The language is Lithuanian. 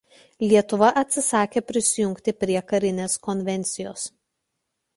Lietuva atsisakė prisijungti prie karinės konvencijos.